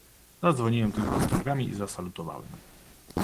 "Zadzwoniłem tylko ostrogami i zasalutowałem."